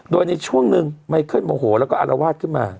โดยในช่วงหนึ่งไมเคิลโมโหแล้วก็อารวาสขึ้นมา